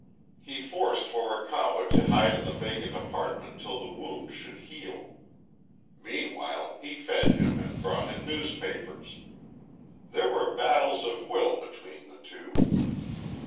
He forced Horikawa to hide in the vacant apartment till the wound should heal. Meanwhile he fed him and brought him newspapers. There were battles of will between the two.